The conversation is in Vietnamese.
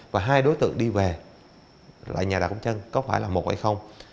và hai đối tượng đi về là nhà đào công trân có phải là một hay không